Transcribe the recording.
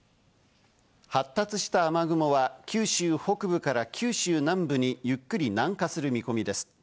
発達した雨雲は九州北部から九州南部にゆっくり南下する見込みです。